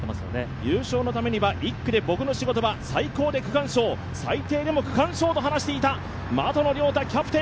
優勝のためには１区で僕の仕事は最高で区間賞最低でも区間賞と話していた的野遼大、キャプテン。